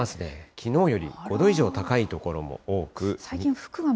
きのうより５度以上高い所も多く。